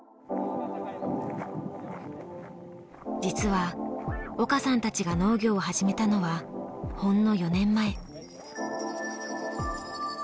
実は岡さんたちが農業を始めたのはほんの４年前。